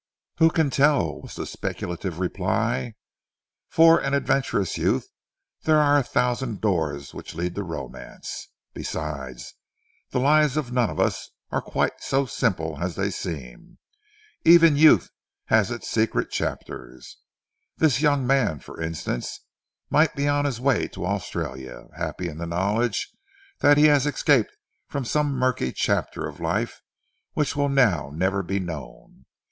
"Who can tell?" was the speculative reply. "For an adventurous youth there are a thousand doors which lead to romance. Besides, the lives of none of us are quite so simple as they seem. Even youth has its secret chapters. This young man, for instance, might be on his way to Australia, happy in the knowledge that he has escaped from some murky chapter of life which will now never be known.